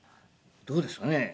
どうですかね。